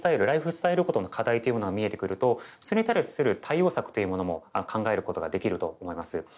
ライフスタイルごとの課題というものが見えてくるとそれに対する対応策というものも考えることができると思います。